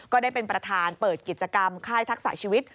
ก็ได้เป็นประธานเปิดกิจกรรมค่ายทักษะชีวิต